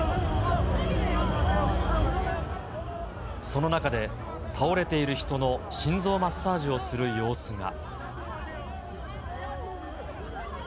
その中で、倒れている人の心臓マッサージをする様子が。